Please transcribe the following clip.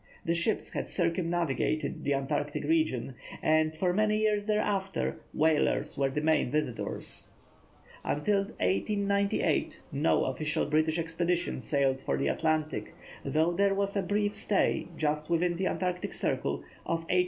The ships had circumnavigated the Antarctic region, and for many years thereafter whalers were the main visitors. Until 1898 no official British expedition sailed for the Antarctic, though there was a brief stay, just within the Antarctic Circle, of H.